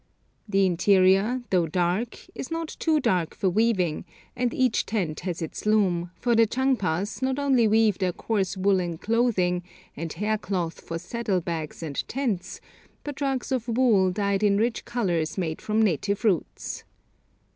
The interior, though dark, is not too dark for weaving, and each tent has its loom, for the Chang pas not only weave their coarse woollen clothing and hair cloth for saddlebags and tents, but rugs of wool dyed in rich colours made from native roots.